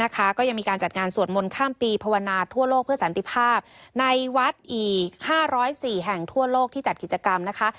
ก็ยังมีการจัดงานสวดมนต์ข้ามปีภาวนาทั่วโลกเพื่อสันติภาพในวัดอีก๕๐๔แห่งทั่วโลกที่จัดกิจกรรมนะคะ